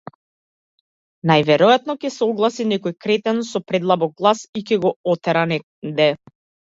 Најверојатно ќе се огласи некој кретен со предлабок глас и ќе го отера негде.